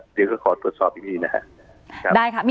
เดี๋ยวก็ขอตรวจสอบอีกทีนะครับ